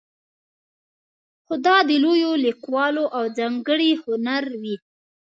خو دا د لویو لیکوالو ځانګړی هنر وي.